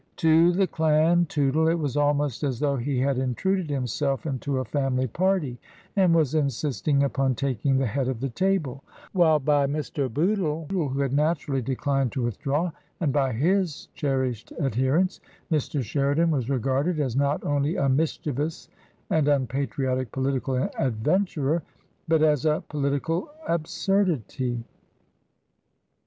To the clan Tootle it was almost as though he had intruded himself into a family party and was insisting upon taking the head of the table; while by Mr. Bootle — who had naturally declined to withdraw — and by his cherished adherents, Mr. Sheridan was regarded as not only a mischievous and unpatriotic political adventurer, but as a political absurdity.